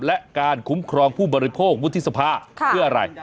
และการคุ้มครองผู้บริโภควุฒิสภาเพื่ออะไร